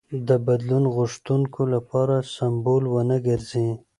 د بدلون غوښتونکو لپاره سمبول ونه ګرځي.